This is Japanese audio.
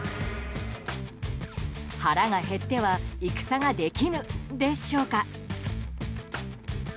腹が減っては戦はできぬでしょうか。